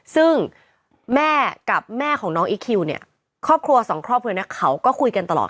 ซึ่งแม่กับแม่ของน้องอีคิวเนี่ยครอบครัวสองครอบครัวนี้เขาก็คุยกันตลอด